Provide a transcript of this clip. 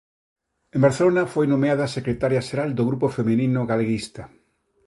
En Barcelona foi nomeada Secretaria Xeral do Grupo Feminino Galeguista.